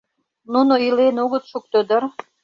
Нуно илен огыт шукто дыр.